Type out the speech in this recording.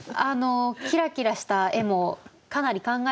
キラキラした絵もかなり考えたんです。